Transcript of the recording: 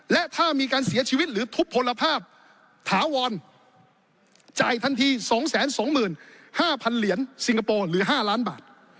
และถ้ามีการเสียชีวิตหรือทุบพลภาพถาวรจ่ายทันที๒๒๕๐๐เหรียญสิงคโปร์หรือ๕ล้านบาท